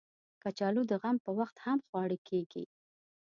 کچالو د غم پر وخت هم خواړه کېږي